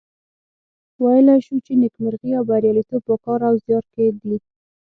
ویلای شو چې نیکمرغي او بریالیتوب په کار او زیار کې دي.